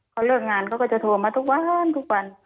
เขาเลิกงานเขาก็จะโทรมาทุกวันทุกวัน